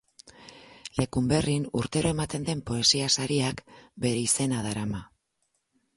Lekunberrin urtero ematen den poesia sariak bere izena darama.